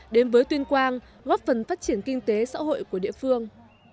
đến với tuyên quang góp phần phát triển kinh tế xã hội của địa phương